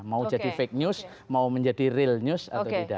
mau jadi fake news mau menjadi real news atau tidak